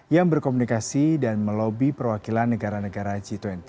yang berkomunikasi dan melobi perwakilan negara negara g dua puluh